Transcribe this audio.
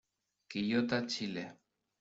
Quillota Chile.